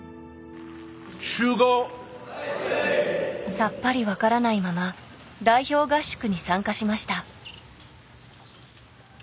さっぱり分からないまま代表合宿に参加しました。